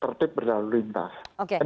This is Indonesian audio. tertip berdalur lintas